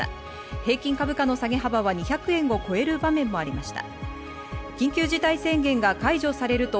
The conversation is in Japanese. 平均株価の下げ幅は２００円を超える場面もありました。